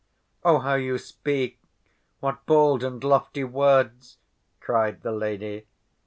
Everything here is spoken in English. "Oh, how you speak! What bold and lofty words!" cried the lady.